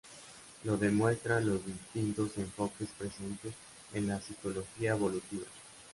Lo demuestran los distintos enfoques presentes en la psicología evolutiva.